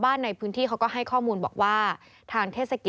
แต่ไม่ทุกคนเขาจะขอภัยที